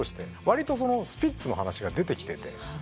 わりとスピッツの話が出てきてて。